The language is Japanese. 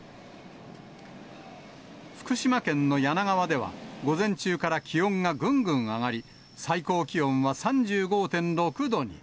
福島県の梁川では、午前中から気温がぐんぐん上がり、最高気温は３５．６度に。